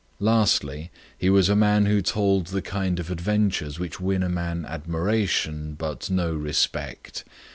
Lastly, he was a man who told the kind of adventures which win a man admiration, but not respect.